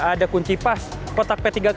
ada kunci pas kotak p tiga k